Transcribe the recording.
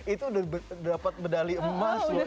itu udah dapat medali emas loh